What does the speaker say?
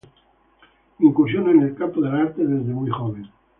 Incursiona en el campo de las artes desde muy joven.